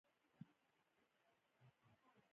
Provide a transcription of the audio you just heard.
لکه په تناره کښې چې سرې سکروټې پرتې وي.